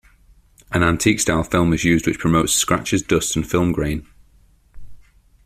An antique-style film is used which promotes scratches, dust and film grain.